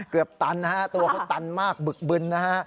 เกือบตันตัวเขาตันมากบึกบึนนะ